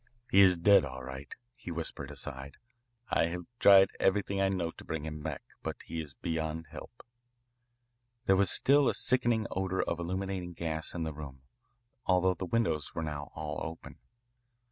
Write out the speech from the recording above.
"He is dead, all right," he whispered, aside. "I have tried everything I know to bring him back, but he is beyond help." There was still a sickening odour of illuminating gas in the room, although the windows were now all open.